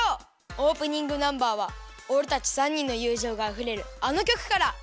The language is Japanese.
オープニングナンバーはおれたち３にんのゆうじょうがあふれるあのきょくから！